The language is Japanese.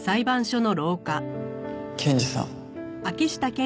検事さん。